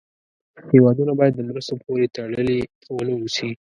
هېوادونه باید د مرستو پورې تړلې و نه اوسي.